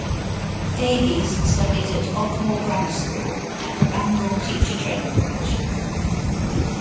Davies studied at Ogmore Grammar School and Bangor Teacher Training College.